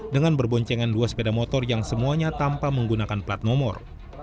dengan berboncengan dua sepeda motor yang semuanya tanpa menggunakan plat nomor